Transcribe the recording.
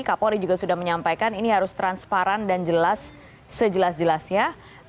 kapolri juga sudah menyampaikan ini harus transparan dan jelas sejelas jelasnya